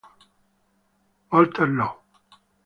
Walter Law